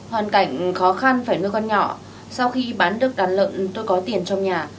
hoàn cảnh khó khăn phải nuôi con nhỏ sau khi bán được đàn lợn tôi có tiền trong nhà